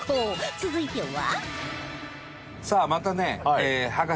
続いては